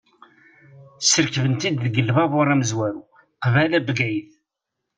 Srekben-t-id deg lbabur amezwaru qbala Bgayet.